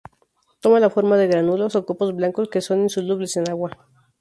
Toma la forma de gránulos o copos blancos, que son insolubles en agua.